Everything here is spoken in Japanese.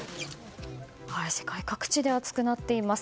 世界各地で暑くなっています。